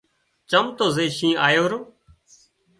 چم تو زي شينهن آيو رو